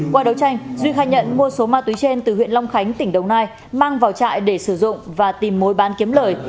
qua đấu tranh duy khai nhận mua số ma túy trên từ huyện long khánh tỉnh đồng nai mang vào trại để sử dụng và tìm mối bán kiếm lời